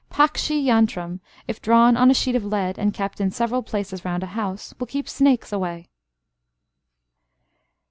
Pakshi yantram, if drawn on a sheet of lead, and kept in several places round a house, will keep snakes away.